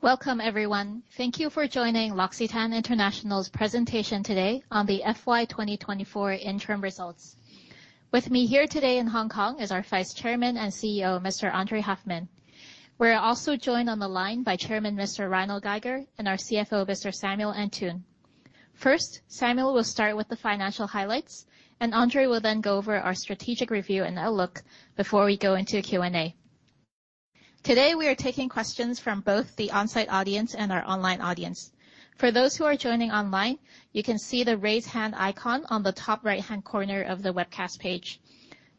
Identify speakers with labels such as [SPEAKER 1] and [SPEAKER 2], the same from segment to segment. [SPEAKER 1] Welcome everyone. Thank you for joining L'Occitane International's presentation today on the FY 2024 interim results. With me here today in Hong Kong is our Vice Chairman and CEO, Mr. André Hoffmann. We're also joined on the line by Chairman, Mr. Reinold Geiger, and our CFO, Mr. Samuel Antunes. First, Samuel will start with the financial highlights, and André will then go over our strategic review and outlook before we go into Q&A. Today, we are taking questions from both the on-site audience and our online audience. For those who are joining online, you can see the raise hand icon on the top right-hand corner of the webcast page.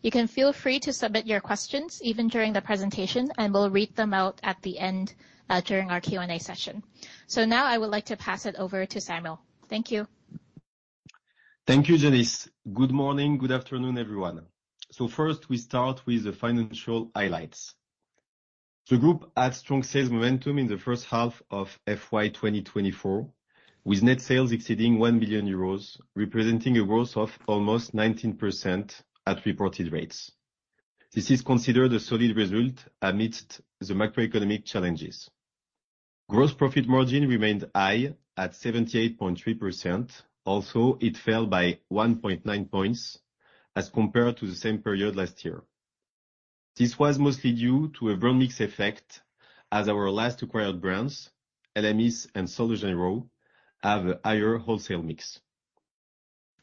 [SPEAKER 1] You can feel free to submit your questions even during the presentation, and we'll read them out at the end during our Q&A session. So now I would like to pass it over to Samuel. Thank you.
[SPEAKER 2] Thank you, Janis. Good morning. Good afternoon, everyone. So first, we start with the financial highlights. The group had strong sales momentum in the first half of FY 2024, with net sales exceeding 1 billion euros, representing a growth of almost 19% at reported rates. This is considered a solid result amidst the macroeconomic challenges. Gross profit margin remained high at 78.3%, although it fell by 1.9 points as compared to the same period last year. This was mostly due to a brand mix effect as our last acquired brands, ELEMIS and Sol de Janeiro, have a higher wholesale mix.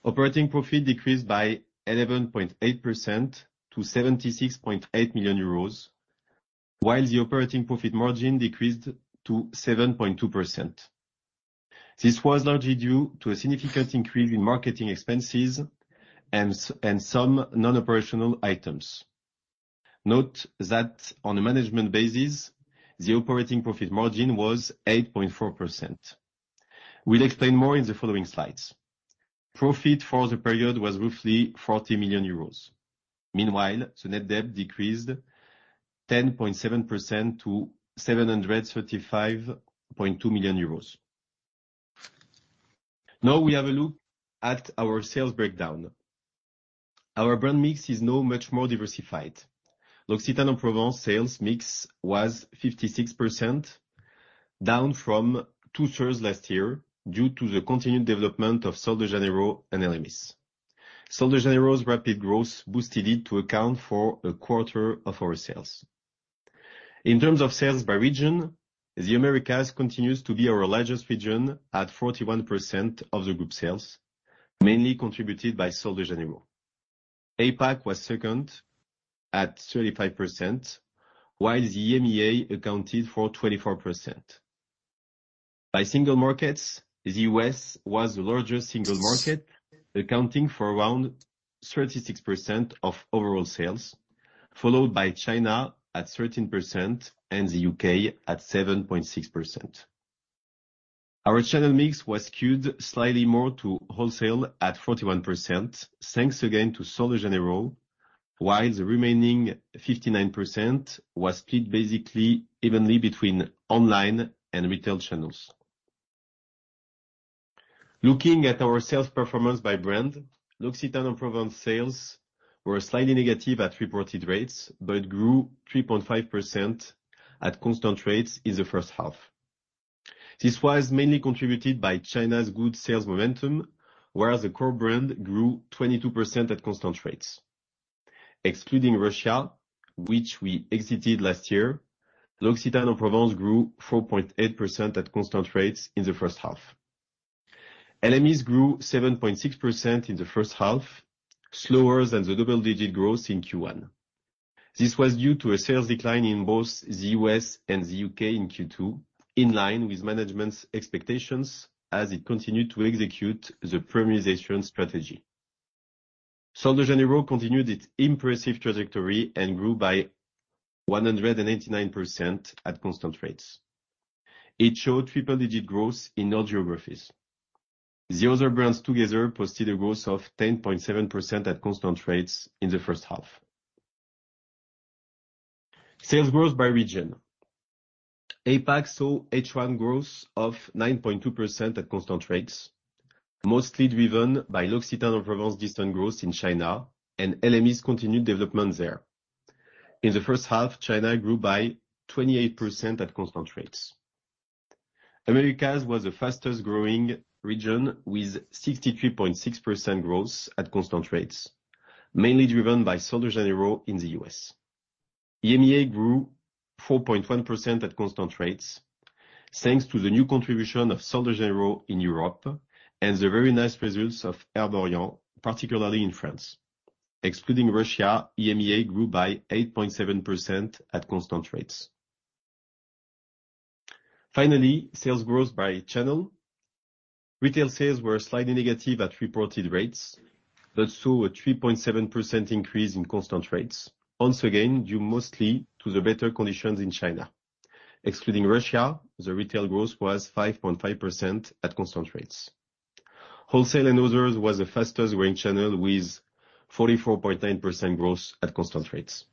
[SPEAKER 2] Operating profit decreased by 11.8% to 76.8 million euros, while the operating profit margin decreased to 7.2%. This was largely due to a significant increase in marketing expenses and some non-operational items. Note that on a management basis, the operating profit margin was 8.4%. We'll explain more in the following slides. Profit for the period was roughly 40 million euros. Meanwhile, the net debt decreased 10.7% to 735.2 million euros. Now we have a look at our sales breakdown. Our brand mix is now much more diversified. L'Occitane en Provence sales mix was 56%, down from two-thirds last year due to the continued development of Sol de Janeiro and ELEMIS. Sol de Janeiro's rapid growth boosted it to account for a quarter of our sales. In terms of sales by region, the Americas continues to be our largest region at 41% of the group sales, mainly contributed by Sol de Janeiro. APAC was second at 35%, while the EMEA accounted for 24%. By single markets, the U.S. was the largest single market, accounting for around 36% of overall sales, followed by China at 13% and the U.K. at 7.6%. Our channel mix was skewed slightly more to wholesale at 41%, thanks again to Sol de Janeiro, while the remaining 59% was split basically evenly between online and retail channels. Looking at our sales performance by brand, L'Occitane en Provence sales were slightly negative at reported rates, but grew 3.5% at constant rates in the first half. This was mainly contributed by China's good sales momentum, whereas the core brand grew 22% at constant rates. Excluding Russia, which we exited last year, L'Occitane en Provence grew 4.8% at constant rates in the first half. ELEMIS grew 7.6% in the first half, slower than the double-digit growth in Q1. This was due to a sales decline in both the U.S. and the U.K. in Q2, in line with management's expectations as it continued to execute the premiumization strategy. Sol de Janeiro continued its impressive trajectory and grew by 189% at constant rates. It showed triple-digit growth in all geographies. The other brands together posted a growth of 10.7% at constant rates in the first half. Sales growth by region. APAC saw H1 growth of 9.2% at constant rates, mostly driven by L'Occitane en Provence sustained growth in China and ELEMIS continued development there. In the first half, China grew by 28% at constant rates. Americas was the fastest-growing region, with 63.6% growth at constant rates, mainly driven by Sol de Janeiro in the US. EMEA grew 4.1% at constant rates, thanks to the new contribution of Sol de Janeiro in Europe and the very nice results of Erborian, particularly in France. Excluding Russia, EMEA grew by 8.7% at constant rates. Finally, sales growth by channel. Retail sales were slightly negative at reported rates, but saw a 3.7% increase in constant rates, once again, due mostly to the better conditions in China. Excluding Russia, the retail growth was 5.5% at constant rates. Wholesale and others was the fastest-growing channel, with 44.9% growth at constant rates.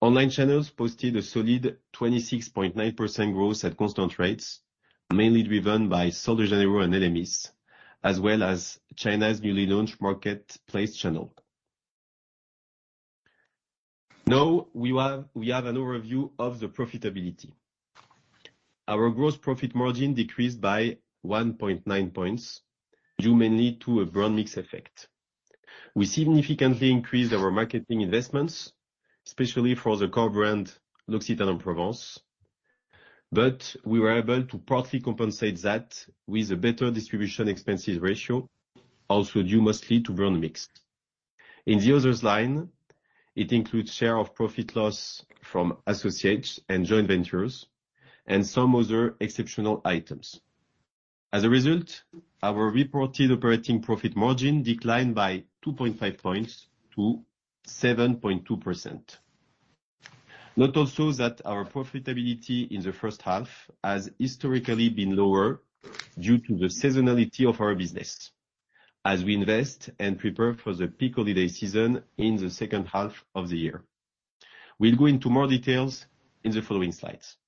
[SPEAKER 2] Online channels posted a solid 26.9% growth at constant rates, mainly driven by Sol de Janeiro and ELEMIS, as well as China's newly launched marketplace channel. Now, we have an overview of the profitability. Our gross profit margin decreased by 1.9 points, due mainly to a brand mix effect. We significantly increased our marketing investments, especially for the core brand, L'Occitane en Provence, but we were able to partly compensate that with a better distribution expenses ratio, also due mostly to brand mix. In the others line, it includes share of profit loss from associates and joint ventures and some other exceptional items. As a result, our reported operating profit margin declined by 2.5 points to 7.2%. Note also that our profitability in the first half has historically been lower due to the seasonality of our business, as we invest and prepare for the peak holiday season in the second half of the year. We'll go into more details in the following slides.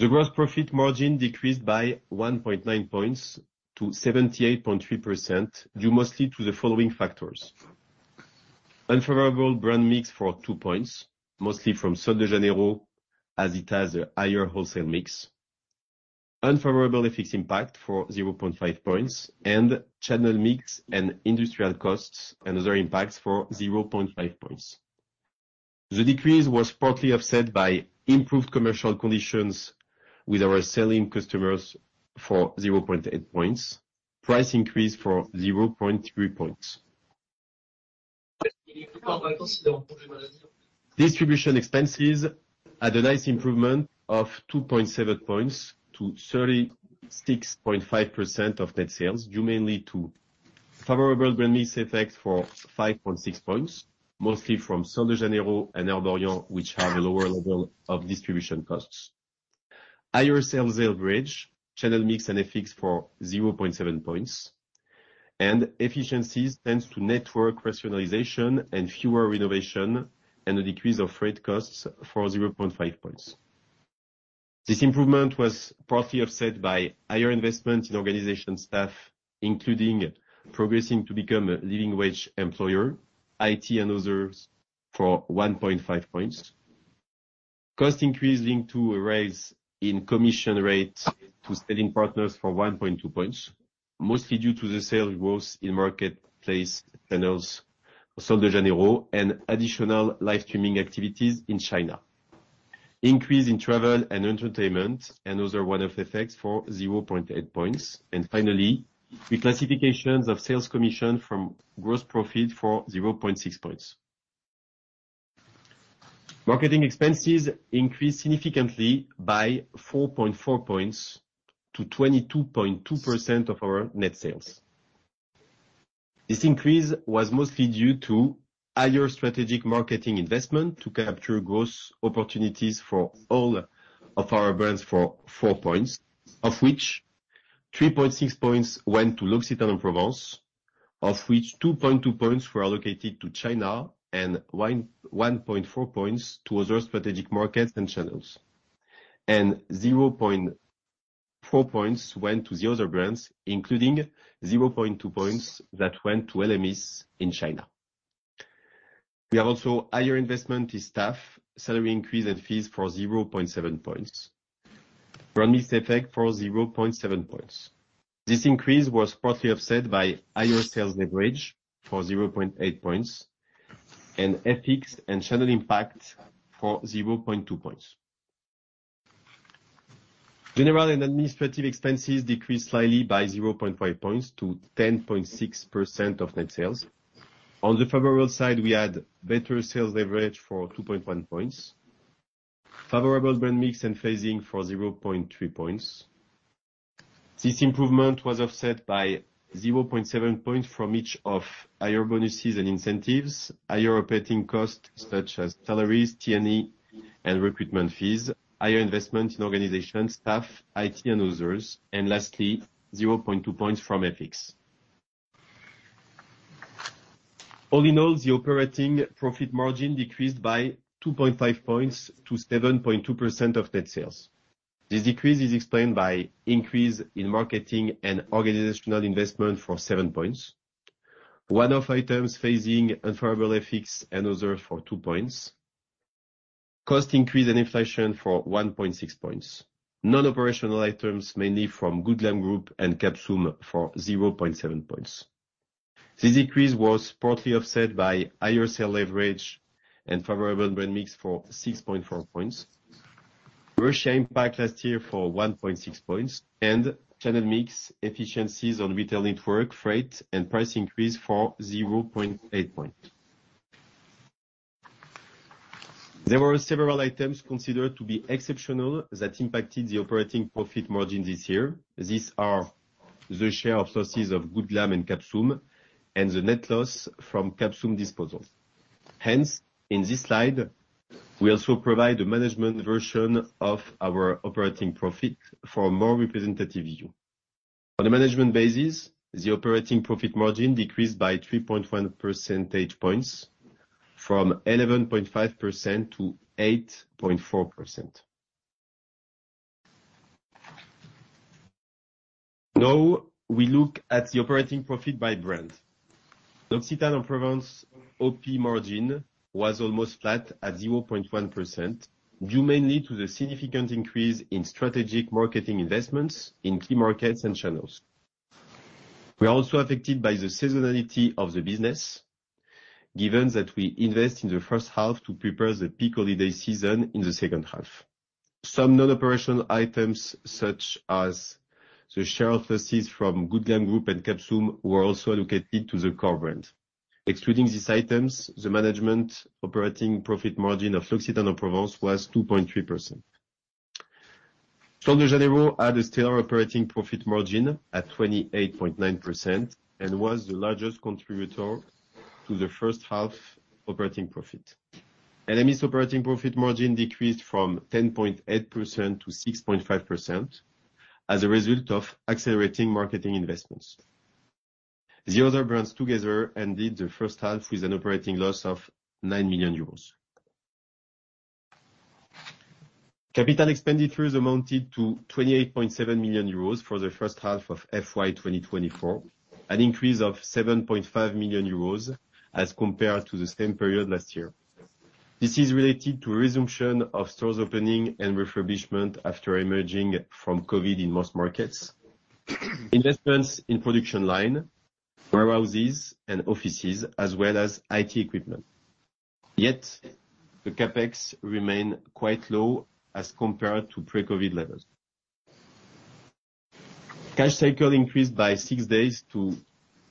[SPEAKER 2] The gross profit margin decreased by 1.9 points to 78.3%, due mostly to the following factors: unfavorable brand mix for 2 points, mostly from Sol de Janeiro, as it has a higher wholesale mix, unfavorable FX impact for 0.5 points, and channel mix and industrial costs and other impacts for 0.5 points. The decrease was partly offset by improved commercial conditions with our selling customers for 0.8 points, price increase for 0.3 points. Distribution expenses had a nice improvement of 2.7 points to 36.5% of net sales, due mainly to favorable brand mix effect for 5.6 points, mostly from Sol de Janeiro and Erborian, which have a lower level of distribution costs. Higher sales average, channel mix and FX for 0.7 points, and efficiencies, thanks to network rationalization and fewer renovation and a decrease of freight costs for 0.5 points. This improvement was partly offset by higher investment in organization staff, including progressing to become a living wage employer, IT and others, for 1.5 points. Cost increase linked to a rise in commission rate to selling partners for 1.2 points, mostly due to the sales growth in marketplace channels, Sol de Janeiro, and additional live streaming activities in China. Increase in travel and entertainment and other one-off effects for 0.8 points. Finally, reclassifications of sales commission from gross profit for 0.6 points. Marketing expenses increased significantly by 4.4 points to 22.2% of our net sales. This increase was mostly due to higher strategic marketing investment to capture growth opportunities for all of our brands for 4 points, of which 3.6 points went to L'Occitane en Provence, of which 2.2 points were allocated to China and 1.4 points to other strategic markets and channels, and 0.4 points went to the other brands, including 0.2 points that went to ELEMIS in China. We have also higher investment in staff, salary increase and fees for 0.7 points. Brand mix effect for 0.7 points. This increase was partly offset by higher sales leverage for 0.8 points and FX and channel impact for 0.2 points. General and administrative expenses decreased slightly by 0.5 points to 10.6% of net sales. On the favorable side, we had better sales leverage for 2.1 points, favorable brand mix and phasing for 0.3 points. This improvement was offset by 0.7 points from each of higher bonuses and incentives, higher operating costs such as salaries, T&E, and recruitment fees, higher investment in organization, staff, IT and others, and lastly, 0.2 points from FX. All in all, the operating profit margin decreased by 2.5 points to 7.2% of net sales. This decrease is explained by increase in marketing and organizational investment for 7 points, one-off items, phasing, unfavorable FX and other for 2 points, cost increase and inflation for 1.6 points, non-operational items mainly from Good Glamm Group and Capsum for 0.7 points. This decrease was partly offset by higher sales leverage and favorable brand mix for 6.4 points, Russia impact last year for 1.6 points, and channel mix efficiencies on retail network, freight, and price increase for 0.8 points. There were several items considered to be exceptional that impacted the operating profit margin this year. These are the share of proceeds of Good Glamm and Capsum and the net loss from Capsum disposal. Hence, in this slide, we also provide a management version of our operating profit for a more representative view. On a management basis, the operating profit margin decreased by 3.1 percentage points, from 11.5% to 8.4%. Now, we look at the operating profit by brand. L'Occitane en Provence OP margin was almost flat at 0.1%, due mainly to the significant increase in strategic marketing investments in key markets and channels. We are also affected by the seasonality of the business, given that we invest in the first half to prepare the peak holiday season in the second half. Some non-operational items, such as the share of proceeds from Good Glamm Group and Capsum, were also allocated to the core brand. Excluding these items, the management operating profit margin of L'Occitane en Provence was 2.3%. Sol de Janeiro had a stellar operating profit margin at 28.9% and was the largest contributor to the first half operating profit. ELEMIS operating profit margin decreased from 10.8% to 6.5% as a result of accelerating marketing investments. The other brands together ended the first half with an operating loss of 9 million euros. Capital expenditures amounted to 28.7 million euros for the first half of FY 2024, an increase of 7.5 million euros as compared to the same period last year. This is related to resumption of stores opening and refurbishment after emerging from COVID in most markets, investments in production line, warehouses, and offices, as well as IT equipment. Yet, the CapEx remain quite low as compared to pre-COVID levels. Cash cycle increased by 6 days to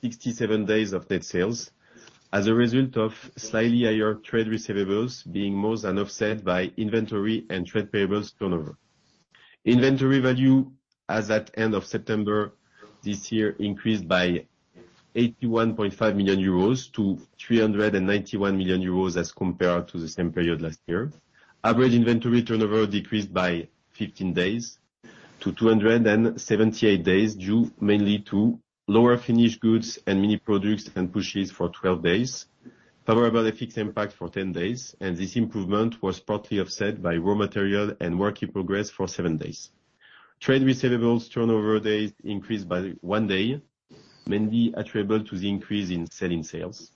[SPEAKER 2] 67 days of net sales as a result of slightly higher trade receivables being more than offset by inventory and trade payables turnover. Inventory value as at end of September this year increased by 81.5 million euros to 391 million euros as compared to the same period last year. Average inventory turnover decreased by 15 days to 278 days, due mainly to lower finished goods and mini products and pouches for 12 days, favorable FX impact for 10 days, and this improvement was partly offset by raw material and work in progress for 7 days. Trade receivables turnover days increased by 1 day, mainly attributable to the increase in sell-in sales.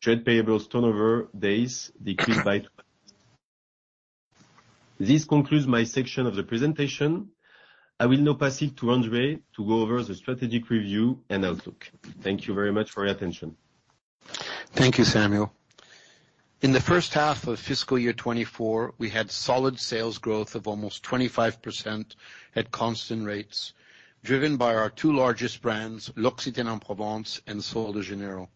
[SPEAKER 2] Trade payable turnover days decreased by-- This concludes my section of the presentation. I will now pass it to André to go over the strategic review and outlook. Thank you very much for your attention.
[SPEAKER 3] Thank you, Samuel. In the first half of fiscal year 2024, we had solid sales growth of almost 25% at constant rates, driven by our two largest brands, L'Occitane en Provence and Sol de Janeiro.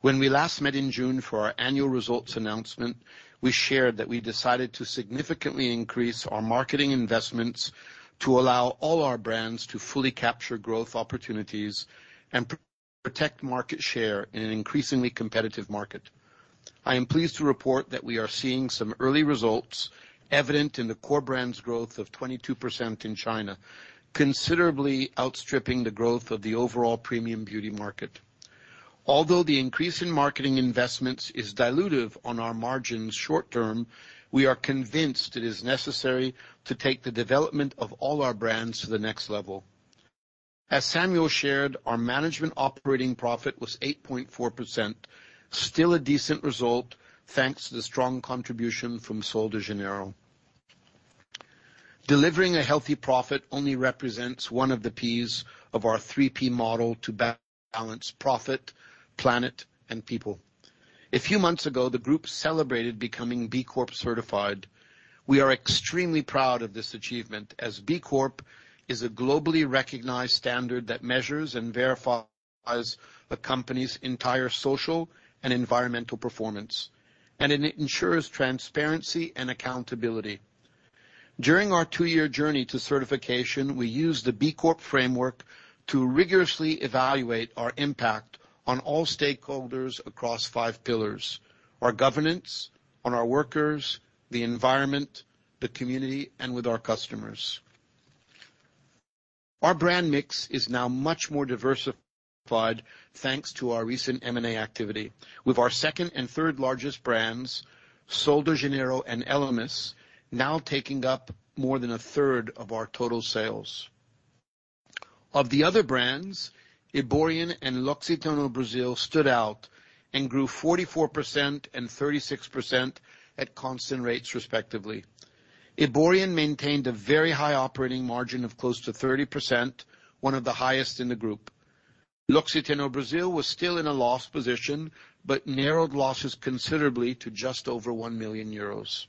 [SPEAKER 3] When we last met in June for our annual results announcement, we shared that we decided to significantly increase our marketing investments to allow all our brands to fully capture growth opportunities and protect market share in an increasingly competitive market. I am pleased to report that we are seeing some early results evident in the core brand's growth of 22% in China, considerably outstripping the growth of the overall premium beauty market. Although the increase in marketing investments is dilutive on our margins short term, we are convinced it is necessary to take the development of all our brands to the next level. As Samuel shared, our management operating profit was 8.4%, still a decent result, thanks to the strong contribution from Sol de Janeiro. Delivering a healthy profit only represents one of the Ps of our three-P model to balance profit, planet, and people. A few months ago, the group celebrated becoming B Corp certified. We are extremely proud of this achievement, as B Corp is a globally recognized standard that measures and verifies a company's entire social and environmental performance, and it ensures transparency and accountability. During our two-year journey to certification, we used the B Corp framework to rigorously evaluate our impact on all stakeholders across five pillars: our governance, on our workers, the environment, the community, and with our customers. Our brand mix is now much more diversified, thanks to our recent M&A activity, with our second and third largest brands, Sol de Janeiro and ELEMIS, now taking up more than a third of our total sales. Of the other brands, Erborian and L'Occitane au Brésil stood out and grew 44% and 36% at constant rates, respectively. Erborian maintained a very high operating margin of close to 30%, one of the highest in the group. L'Occitane au Brésil was still in a loss position, but narrowed losses considerably to just over 1 million euros.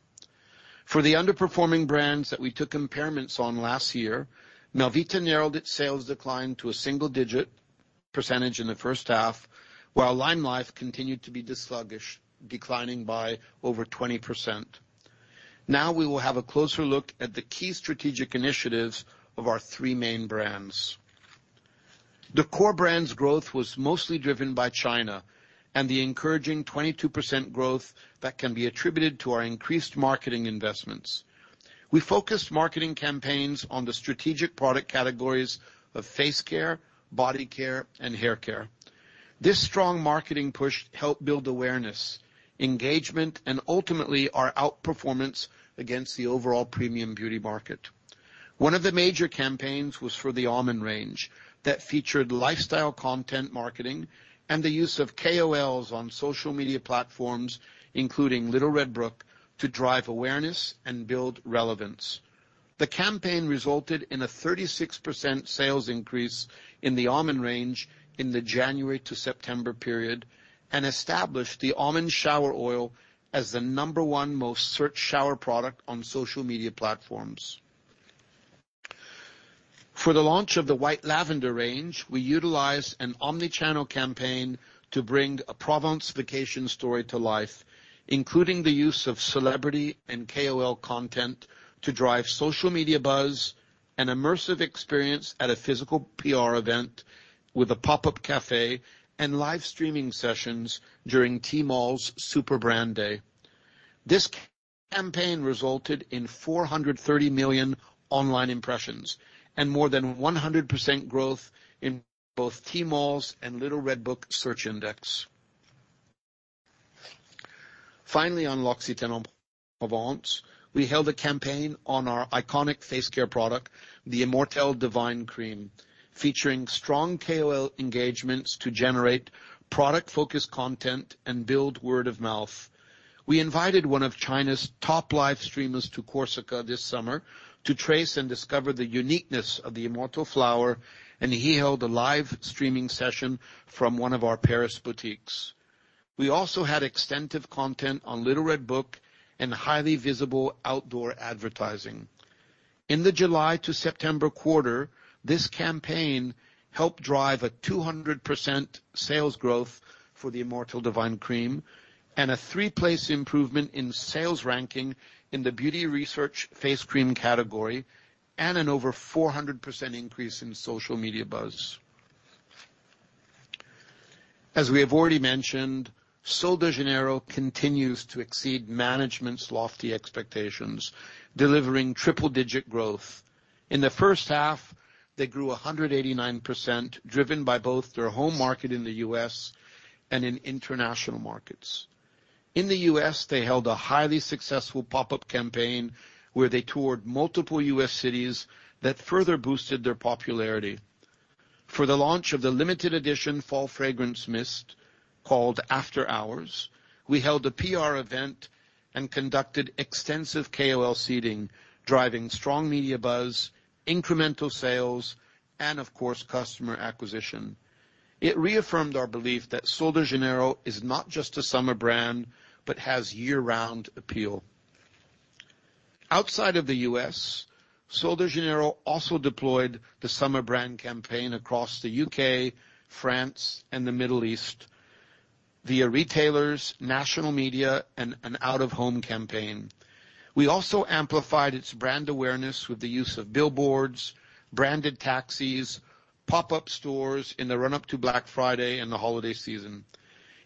[SPEAKER 3] For the underperforming brands that we took impairments on last year, Melvita narrowed its sales decline to a single digit percentage in the first half, while LimeLife continued to be this sluggish, declining by over 20%. Now, we will have a closer look at the key strategic initiatives of our three main brands. The core brand's growth was mostly driven by China and the encouraging 22% growth that can be attributed to our increased marketing investments. We focused marketing campaigns on the strategic product categories of face care, body care, and hair care. This strong marketing push helped build awareness, engagement, and ultimately, our outperformance against the overall premium beauty market.... One of the major campaigns was for the Almond range, that featured lifestyle content marketing and the use of KOLs on social media platforms, including Little Red Book, to drive awareness and build relevance. The campaign resulted in a 36% sales increase in the Almond range in the January to September period, and established the Almond Shower Oil as the number one most searched shower product on social media platforms. For the launch of the White Lavender range, we utilized an omni-channel campaign to bring a Provence vacation story to life, including the use of celebrity and KOL content to drive social media buzz, an immersive experience at a physical PR event with a pop-up cafe, and live streaming sessions during Tmall's Super Brand Day. This campaign resulted in 430 million online impressions, and more than 100% growth in both Tmall's and Little Red Book search index. Finally, on L'Occitane en Provence, we held a campaign on our iconic face care product, the Immortelle Divine Cream, featuring strong KOL engagements to generate product-focused content and build word of mouth. We invited one of China's top live streamers to Corsica this summer to trace and discover the uniqueness of the immortelle flower, and he held a live streaming session from one of our Paris boutiques. We also had extensive content on Little Red Book and highly visible outdoor advertising. In the July to September quarter, this campaign helped drive a 200% sales growth for the Immortelle Divine Cream, and a three-place improvement in sales ranking in the Beauty Research face cream category, and an over 400% increase in social media buzz. As we have already mentioned, Sol de Janeiro continues to exceed management's lofty expectations, delivering triple-digit growth. In the first half, they grew 189%, driven by both their home market in the U.S. and in international markets. In the U.S., they held a highly successful pop-up campaign, where they toured multiple U.S. cities that further boosted their popularity. For the launch of the limited edition fall fragrance mist, called After Hours, we held a PR event and conducted extensive KOL seeding, driving strong media buzz, incremental sales, and of course, customer acquisition. It reaffirmed our belief that Sol de Janeiro is not just a summer brand, but has year-round appeal. Outside of the U.S., Sol de Janeiro also deployed the summer brand campaign across the U.K., France, and the Middle East via retailers, national media, and an out-of-home campaign. We also amplified its brand awareness with the use of billboards, branded taxis, pop-up stores in the run-up to Black Friday and the holiday season.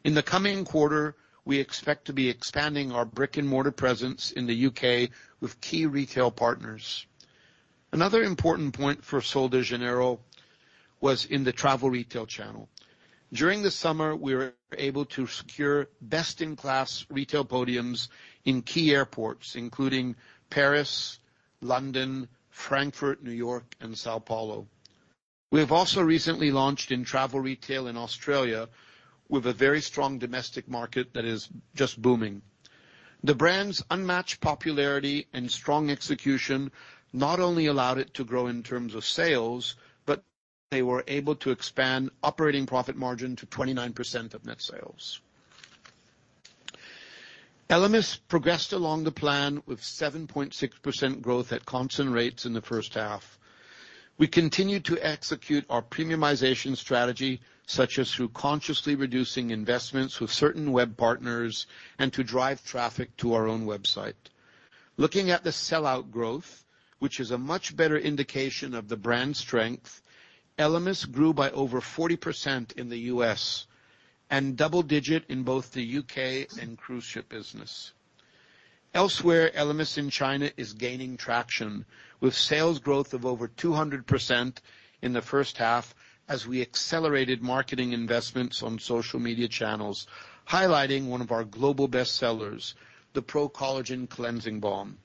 [SPEAKER 3] In the coming quarter, we expect to be expanding our brick-and-mortar presence in the U.K. with key retail partners. Another important point for Sol de Janeiro was in the travel retail channel. During the summer, we were able to secure best-in-class retail podiums in key airports, including Paris, London, Frankfurt, New York, and São Paulo. We have also recently launched in travel retail in Australia, with a very strong domestic market that is just booming. The brand's unmatched popularity and strong execution not only allowed it to grow in terms of sales, but they were able to expand operating profit margin to 29% of net sales. ELEMIS progressed along the plan with 7.6% growth at constant rates in the first half. We continued to execute our premiumization strategy, such as through consciously reducing investments with certain web partners and to drive traffic to our own website. Looking at the sell-out growth, which is a much better indication of the brand's strength, ELEMIS grew by over 40% in the U.S. and double-digit in both the U.K. and cruise ship business. Elsewhere, ELEMIS in China is gaining traction, with sales growth of over 200% in the first half as we accelerated marketing investments on social media channels, highlighting one of our global bestsellers, the Pro-Collagen Cleansing Balm.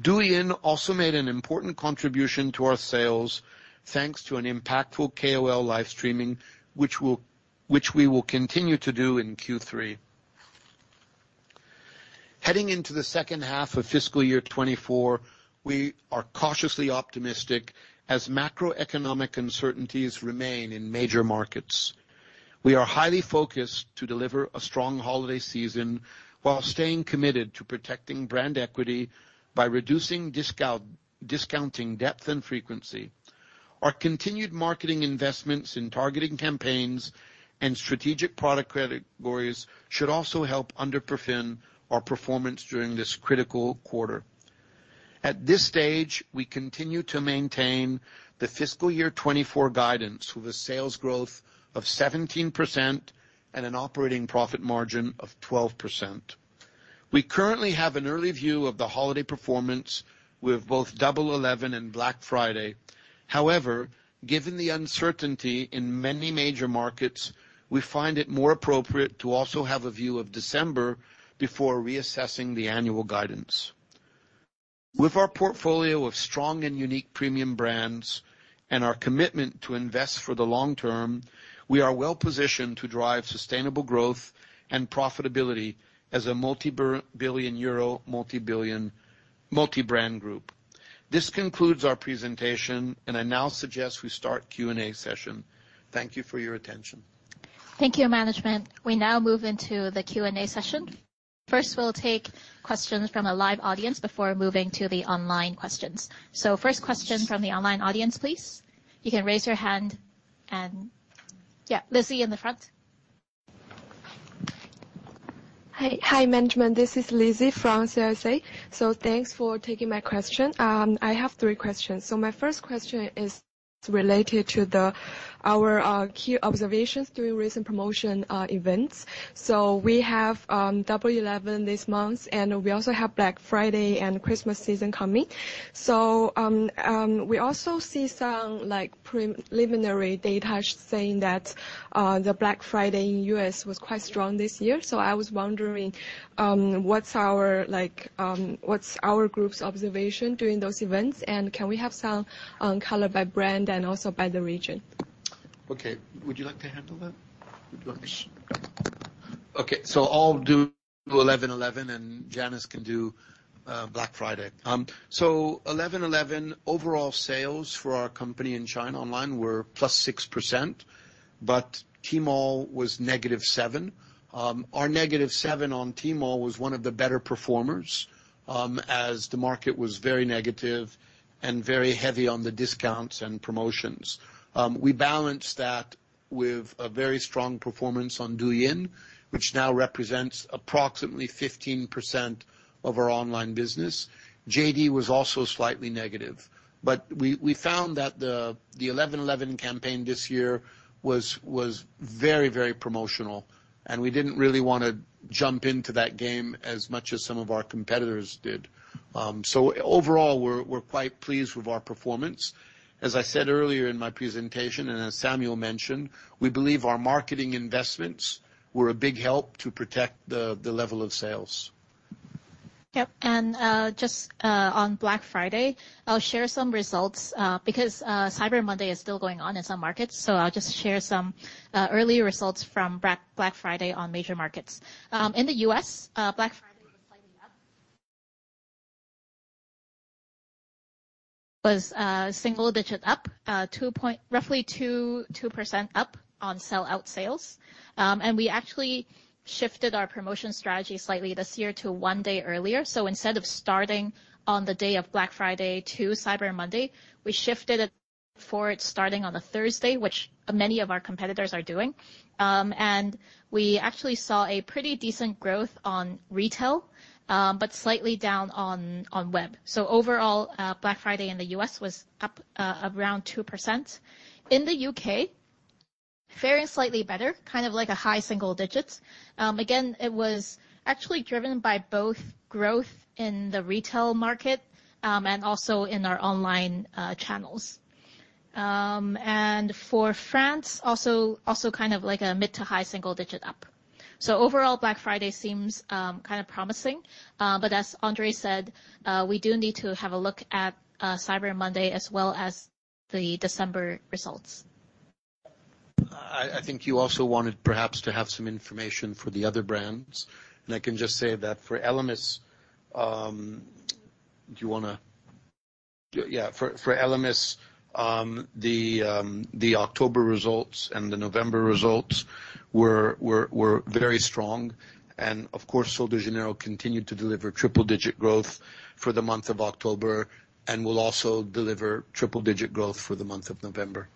[SPEAKER 3] Douyin also made an important contribution to our sales, thanks to an impactful KOL live streaming, which we will continue to do in Q3. Heading into the second half of fiscal year 2024, we are cautiously optimistic as macroeconomic uncertainties remain in major markets. We are highly focused to deliver a strong holiday season while staying committed to protecting brand equity by reducing discount, discounting depth and frequency. Our continued marketing investments in targeting campaigns and strategic product categories should also help underpin our performance during this critical quarter. At this stage, we continue to maintain the fiscal year 2024 guidance, with a sales growth of 17% and an operating profit margin of 12%. We currently have an early view of the holiday performance with both Double Eleven and Black Friday. However, given the uncertainty in many major markets, we find it more appropriate to also have a view of December before reassessing the annual guidance. With our portfolio of strong and unique premium brands and our commitment to invest for the long term, we are well positioned to drive sustainable growth and profitability as a multi-billion euro multi-brand group. This concludes our presentation, and I now suggest we start Q&A session. Thank you for your attention.
[SPEAKER 1] Thank you, management. We now move into the Q&A session. First, we'll take questions from a live audience before moving to the online questions. So first question from the online audience, please. You can raise your hand and... Yeah, Lizzy, in the front.
[SPEAKER 4] Hi, hi, management. This is Lizzy from CSA. Thanks for taking my question. I have three questions. My first question is related to the, our, key observations during recent promotion, events. We have Double Eleven this month, and we also have Black Friday and Christmas season coming. We also see some, like, preliminary data saying that, the Black Friday in U.S. was quite strong this year. I was wondering, what's our like, what's our group's observation during those events? And can we have some, color by brand and also by the region?
[SPEAKER 3] Okay, would you like to handle that? Would you like... Okay, so I'll do Eleven Eleven, and Janis can do Black Friday. Eleven Eleven, overall sales for our company in China online were +6%, but Tmall was -7%. Our -7 on Tmall was one of the better performers, as the market was very negative and very heavy on the discounts and promotions. We balanced that with a very strong performance on Douyin, which now represents approximately 15% of our online business. JD was also slightly negative, but we found that the Eleven Eleven campaign this year was very, very promotional, and we didn't really wanna jump into that game as much as some of our competitors did. So overall, we're quite pleased with our performance. As I said earlier in my presentation, and as Samuel mentioned, we believe our marketing investments were a big help to protect the level of sales.
[SPEAKER 1] Yep. Just on Black Friday, I'll share some results because Cyber Monday is still going on in some markets. I'll just share some early results from Black Friday on major markets. In the U.S., Black Friday was slightly up single digit up roughly 2, 2% up on sell-out sales. We actually shifted our promotion strategy slightly this year to one day earlier. Instead of starting on the day of Black Friday to Cyber Monday, we shifted it forward, starting on a Thursday, which many of our competitors are doing. We actually saw a pretty decent growth on retail, but slightly down on web. Overall, Black Friday in the U.S. was up around 2%. In the UK, very slightly better, kind of like a high single digits. Again, it was actually driven by both growth in the retail market, and also in our online channels. And for France, also, also kind of like a mid to high single digit up. So overall, Black Friday seems kind of promising, but as André said, we do need to have a look at Cyber Monday as well as the December results.
[SPEAKER 3] I think you also wanted, perhaps, to have some information for the other brands, and I can just say that for ELEMIS... Do you wanna— Yeah, yeah, for ELEMIS, the October results and the November results were very strong. And of course, Sol de Janeiro continued to deliver triple-digit growth for the month of October and will also deliver triple-digit growth for the month of November.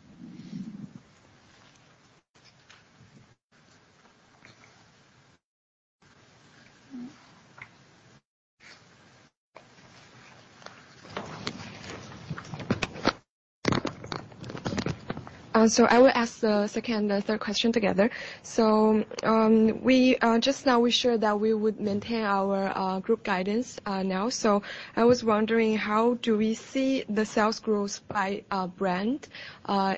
[SPEAKER 4] So I will ask the second and third question together. So, just now we shared that we would maintain our group guidance now. So I was wondering, how do we see the sales growth by brand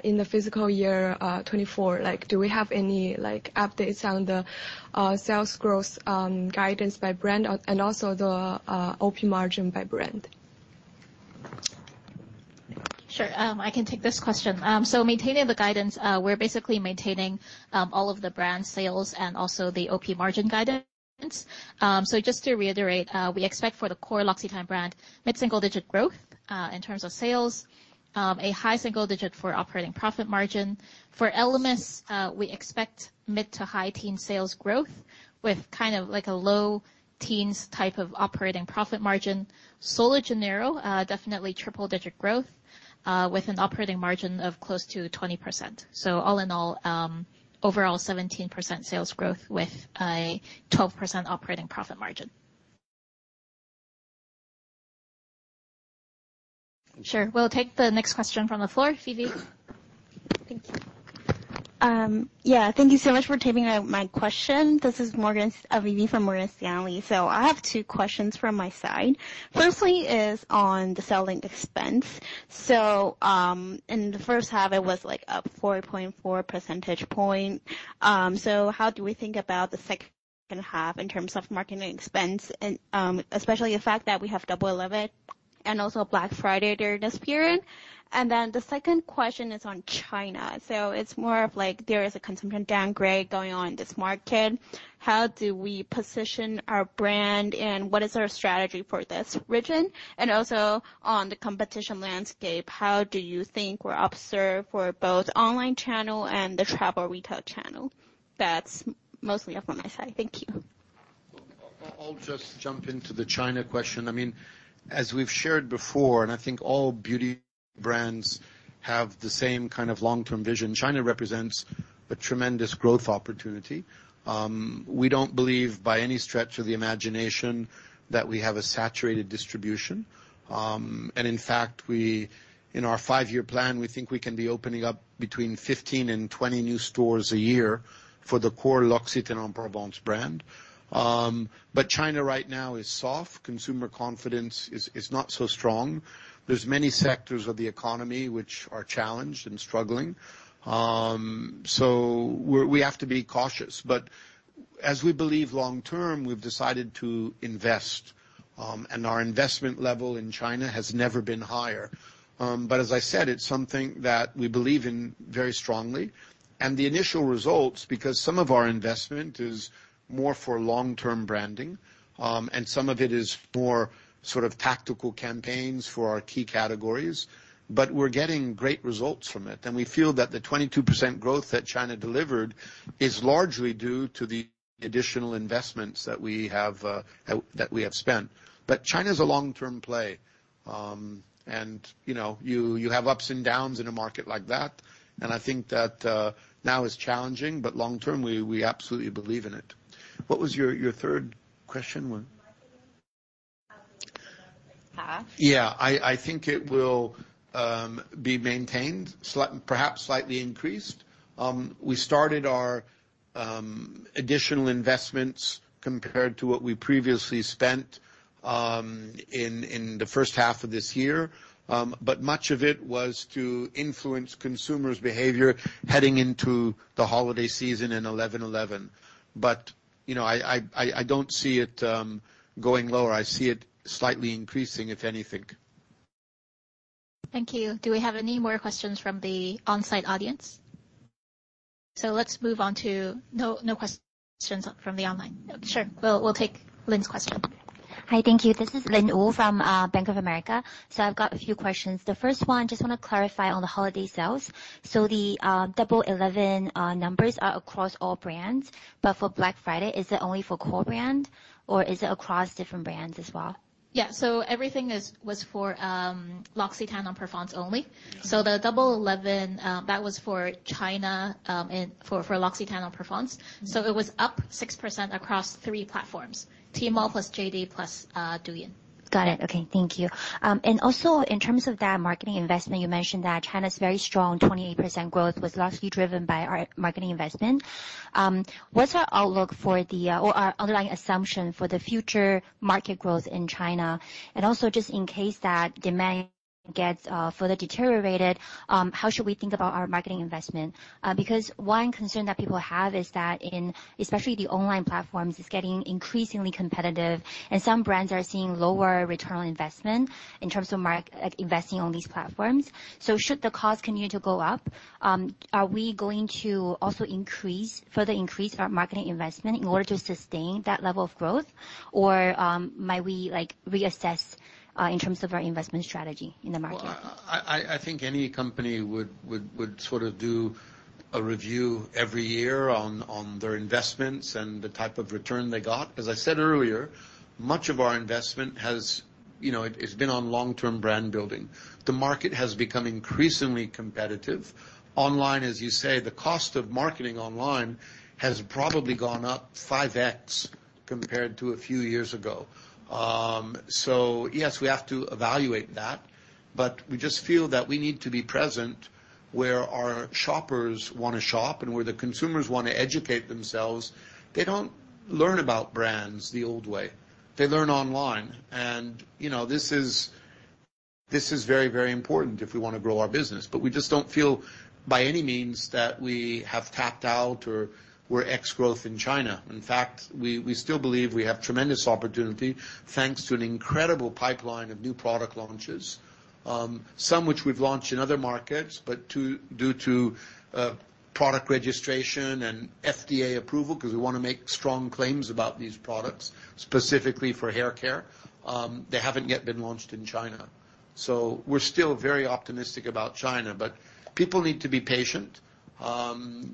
[SPEAKER 4] in the fiscal year 2024? Like, do we have any, like, updates on the sales growth guidance by brand and also the OP margin by brand?
[SPEAKER 1] Sure. I can take this question. So maintaining the guidance, we're basically maintaining all of the brand sales and also the OP margin guidance. So just to reiterate, we expect for the core L'Occitane brand, mid-single-digit growth in terms of sales. A high single digit for operating profit margin. For ELEMIS, we expect mid- to high-teen sales growth, with kind of like a low-teens type of operating profit margin. Sol de Janeiro, definitely triple-digit growth, with an operating margin of close to 20%. So all in all, overall, 17% sales growth with a 12% operating profit margin. Sure. We'll take the next question from the floor. Phoebe? Thank you.
[SPEAKER 5] Yeah, thank you so much for taking my question. This is Morgane Abdy from Morgan Stanley. So I have two questions from my side. Firstly is on the selling expense. So, in the first half, it was, like, up 4.4 percentage points. So how do we think about the second half in terms of marketing expense and, especially the fact that we have Double Eleven and also Black Friday during this period? And then the second question is on China. So it's more of like there is a consumption downgrade going on in this market. How do we position our brand, and what is our strategy for this region? And also on the competition landscape, how do you think we're observed for both online channel and the travel retail channel? That's mostly it from my side. Thank you.
[SPEAKER 3] I'll just jump into the China question. I mean, as we've shared before, and I think all beauty brands have the same kind of long-term vision, China represents a tremendous growth opportunity. We don't believe, by any stretch of the imagination, that we have a saturated distribution. And in fact, in our five-year plan, we think we can be opening up between 15-20 new stores a year for the core L'Occitane en Provence brand. But China right now is soft. Consumer confidence is not so strong. There's many sectors of the economy which are challenged and struggling. So we have to be cautious. But as we believe long term, we've decided to invest, and our investment level in China has never been higher. But as I said, it's something that we believe in very strongly. The initial results, because some of our investment is more for long-term branding, and some of it is more sort of tactical campaigns for our key categories, but we're getting great results from it. We feel that the 22% growth that China delivered is largely due to the additional investments that we have, that, that we have spent. But China is a long-term play. And, you know, you, you have ups and downs in a market like that, and I think that, now it's challenging, but long term, we, we absolutely believe in it. What was your, your third question? Yeah, I, I think it will be maintained, perhaps slightly increased. We started our additional investments compared to what we previously spent in the first half of this year, but much of it was to influence consumers' behavior heading into the holiday season and Eleven Eleven. But, you know, I don't see it going lower. I see it slightly increasing, if anything.
[SPEAKER 1] Thank you. Do we have any more questions from the on-site audience? So let's move on to... No, no questions from the online. Sure, we'll, we'll take Lynn's question.
[SPEAKER 6] Hi. Thank you. This is Lynn Wu from Bank of America. So I've got a few questions. The first one, just want to clarify on the holiday sales. So the Double Eleven numbers are across all brands, but for Black Friday, is it only for core brand, or is it across different brands as well?
[SPEAKER 1] Yeah. So everything is, was for L'Occitane en Provence only.
[SPEAKER 7] Yeah.
[SPEAKER 1] The Double Eleven, that was for China, and for L'Occitane en Provence. It was up 6% across three platforms, Tmall plus JD plus Douyin.
[SPEAKER 7] Got it. Okay, thank you. And also in terms of that marketing investment, you mentioned that China's very strong 28% growth was largely driven by our marketing investment. What's our outlook for the, or our underlying assumption for the future market growth in China? And also, just in case that demand gets further deteriorated, how should we think about our marketing investment? Because one concern that people have is that in, especially the online platforms, it's getting increasingly competitive, and some brands are seeing lower return on investment in terms of like, investing on these platforms. So should the cost continue to go up, are we going to also increase, further increase our marketing investment in order to sustain that level of growth? Or, might we, like, reassess in terms of our investment strategy in the market?
[SPEAKER 3] Well, I think any company would sort of do a review every year on their investments and the type of return they got. As I said earlier, much of our investment has, you know, it's been on long-term brand building. The market has become increasingly competitive. Online, as you say, the cost of marketing online has probably gone up 5x compared to a few years ago. So yes, we have to evaluate that, but we just feel that we need to be present where our shoppers want to shop and where the consumers want to educate themselves. They don't learn about brands the old way. They learn online, and, you know, this is very, very important if we want to grow our business. But we just don't feel by any means that we have tapped out or we're ex-growth in China. In fact, we still believe we have tremendous opportunity, thanks to an incredible pipeline of new product launches, some which we've launched in other markets, but due to product registration and FDA approval, because we want to make strong claims about these products, specifically for hair care, they haven't yet been launched in China. So we're still very optimistic about China, but people need to be patient.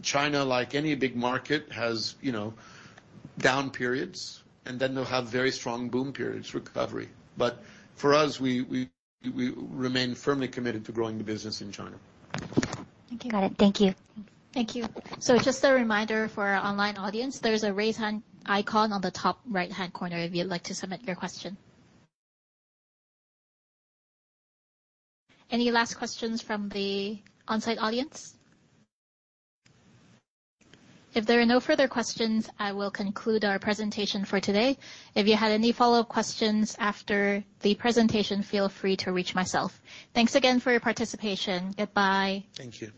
[SPEAKER 3] China, like any big market, has, you know, down periods, and then they'll have very strong boom periods, recovery. But for us, we remain firmly committed to growing the business in China.
[SPEAKER 7] Thank you. Got it. Thank you.
[SPEAKER 1] Thank you. So just a reminder for our online audience, there's a raise hand icon on the top right-hand corner if you'd like to submit your question. Any last questions from the on-site audience? If there are no further questions, I will conclude our presentation for today. If you have any follow-up questions after the presentation, feel free to reach myself. Thanks again for your participation. Goodbye.
[SPEAKER 3] Thank you.